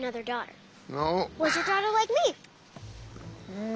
うん。